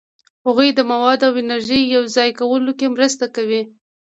هغوی د موادو او انرژي په یوځای کولو کې مرسته کوي.